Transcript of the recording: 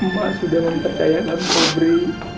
maksud dengan percayaan sobri